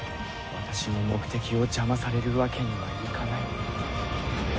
私の目的を邪魔されるわけにはいかない。